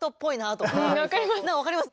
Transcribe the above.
分かります。